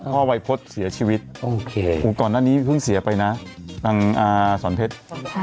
ก็ว่าวัยพศเสียชีวิตอุปกรณ์อันนี้เพิ่งเสียไปนะตรงสอนเพชร